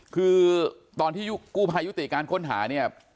คือตอนที่กู้ภัยยุติการค้นหาเนี่ย